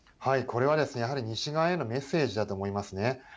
これはですね、やはり西側へのメッセージだと思いますね。